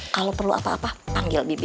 kalau perlu apa apa panggil bipi